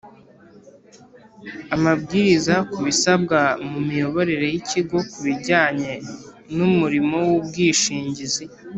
Amabwiriza ku bisabwa mu miyoborere y ikigo ku bijyana n umurimo w ubwishingizi